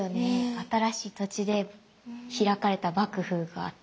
新しい土地で開かれた幕府があって。